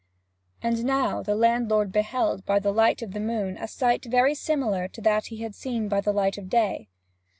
And now the landlord beheld by the light of the moon a sight very similar to that he had seen by the light of day.